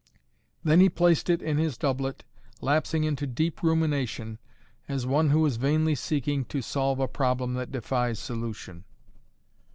Then he placed it in his doublet, lapsing into deep rumination, as one who is vainly seeking to solve a problem that defies solution.